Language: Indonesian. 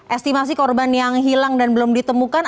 estimasi korban yang hilang dan belum ditemukan